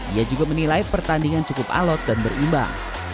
ia juga menilai pertandingan cukup alot dan berimbang